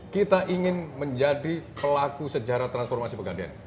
kita ingin menjadi pelaku sejarah transformasi pegadaian